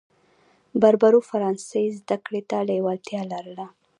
بربرو فرانسې زده کړې ته لېوالتیا لرله.